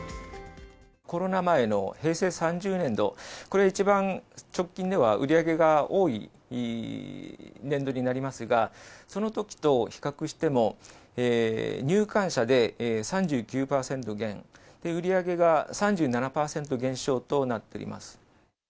コロナ前の平成３０年度、これ、一番、直近では売り上げが多い年度になりますが、そのときと比較しても、入館者で３９％減、売り上げが３７％減少となっています。